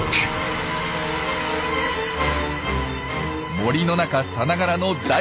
森の中さながらの大バトル！